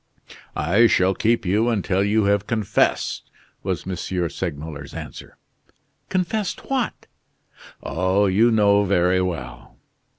"I shall keep you until you have confessed," was M. Segmuller's answer. "Confessed what?" "Oh! you know very well."